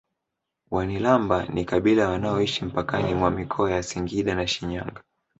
Wanilamba ni kabila wanaoishi mpakani mwa mikoa ya Singida na Shinyanga